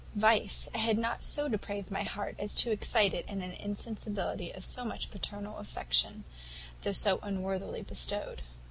"Vice had not so depraved my heart as to excite in it an insensibility of so much paternal affection, though so unworthily bestowed.